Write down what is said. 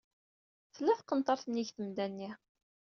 Tella tqenṭert nnig temda-nni.